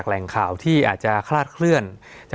สวัสดีครับทุกผู้ชม